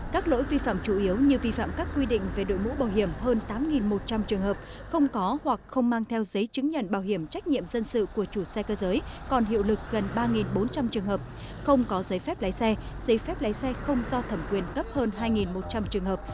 các lỗi vi phạm chủ yếu như vi phạm các quy định về đội mũ bảo hiểm hơn tám một trăm linh trường hợp không có hoặc không mang theo giấy chứng nhận bảo hiểm trách nhiệm dân sự của chủ xe cơ giới còn hiệu lực gần ba bốn trăm linh trường hợp không có giấy phép lái xe giấy phép lái xe không do thẩm quyền cấp hơn hai một trăm linh trường hợp